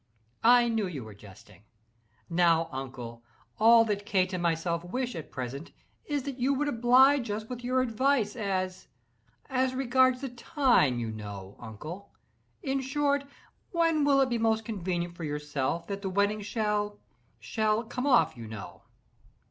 I knew you were jesting. Now, uncle, all that Kate and myself wish at present, is that you would oblige us with your advice as—as regards the time—you know, uncle—in short, when will it be most convenient for yourself, that the wedding shall—shall—come off, you know?"